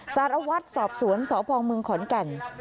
สารวัตรสอบสวนสพเมืองขอนแก่น